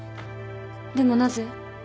でもなぜ？